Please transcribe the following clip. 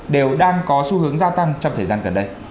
đều đang có xu hướng gia tăng trong thời gian gần đây